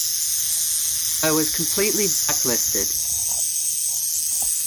I was completely black-listed.